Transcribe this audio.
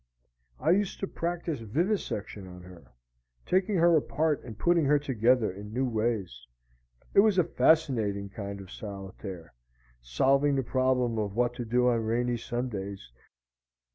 I used to practice vivisection on her, taking her apart and putting her together in new ways. It was a fascinating kind of solitaire, solving the problem of what to do on rainy Sundays.